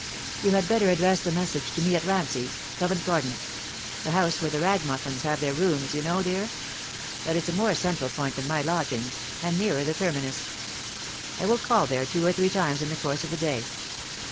"You had better address the message to me at Rancy's, Covent Garden; the house where the Ragamuffins have their rooms, you know, dear. That is a more central point than my lodgings, and nearer the terminus. I will call there two or three times in the course of the day."